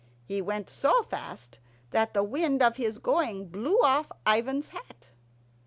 He went so fast that the wind of his going blew off Ivan's hat.